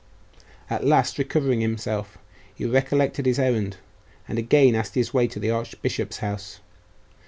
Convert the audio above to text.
At last, recovering himself, he recollected his errand, and again asked his way to the archbishop's house.